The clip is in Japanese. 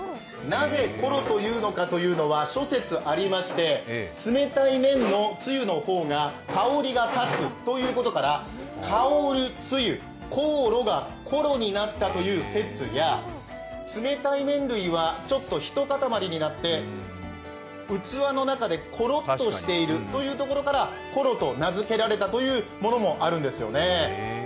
なぜ、ころというのかというのは諸説ありまして冷たい麺の汁の方が香りが立つということから、香露がころになったという説や冷たい麺類はひとかたまりになって器の中でころっとしているというところからころと名付けられたというものもあるんですよね。